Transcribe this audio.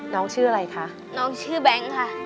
ชื่ออะไรคะน้องชื่อแบงค์ค่ะ